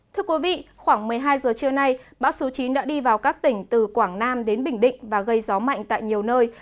thưa quý vị khoảng một mươi hai giờ trưa nay bão số chín đã đi vào các tỉnh từ quảng nam đến bình định và gây gió mạnh tại nhiều nơi